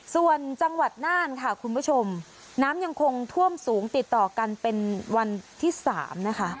ส่วนจังหวัดน่านค่ะคุณผู้ชมน้ำยังคงท่วมสูงติดต่อกันเป็นวันที่๓นะคะ